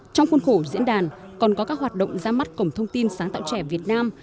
trong khuôn khổ diễn đàn còn có các hoạt động ra mắt cổng thông tin sáng tạo trẻ việt nam